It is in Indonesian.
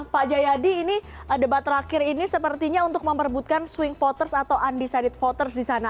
pak jayadi ini debat terakhir ini sepertinya untuk memperbutkan swing voters atau undecided voters di sana